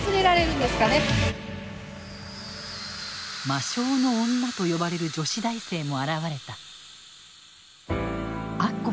魔性の女と呼ばれる女子大生も現れた。